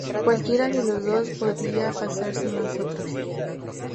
Cualquiera de los dos podía pasar sin el otro.